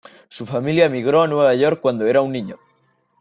Su familia migró a Nueva York cuando era un niño.